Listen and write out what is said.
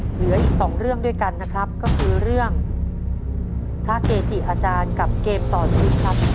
เหลืออีกสองเรื่องด้วยกันนะครับก็คือเรื่องพระเกจิอาจารย์กับเกมต่อชีวิตครับ